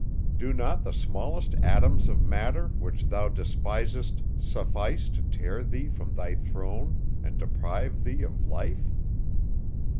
Do not the smallest atoms of matter, which thou despisest, suffice to tear thee from thy throne, and deprive thee of life?